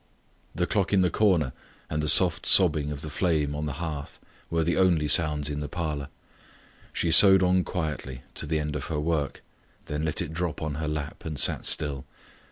The clock in the corner, and the soft sobbing of the flame on the hearth, were the only sounds in the parlour. She sewed on quietly, to the end of her work; then let it drop on her lap, and sat still.